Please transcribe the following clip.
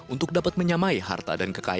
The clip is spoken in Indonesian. untuk dapat menyamai harta dan kekayaan